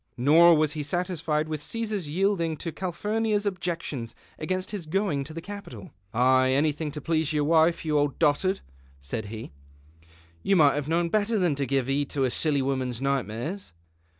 Nor was he satisfied with Ca sar's yielding to Cali)hurnia\s objections against his going to the Capitol. '" Ay, anything to please your wife, you old dotard," said he ;" you n>ight have known better than to gi\e heed to a silly wonums nightmares."